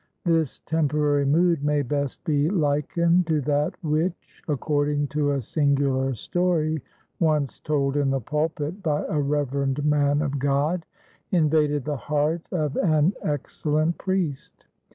This temporary mood may best be likened to that, which according to a singular story once told in the pulpit by a reverend man of God invaded the heart of an excellent priest.